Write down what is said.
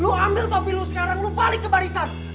lo ambil topi lo sekarang lo balik ke barisan